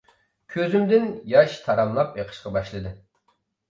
كۆزۈمدىن ياش تاراملاپ ئېقىشقا باشلىدى.